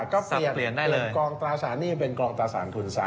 ก็เปลี่ยนกองตราสารหนี้เป็นกองตราสารทุนซะ